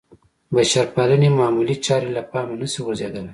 بشرپالنې معمولې چارې له پامه نه شي غورځېدلی.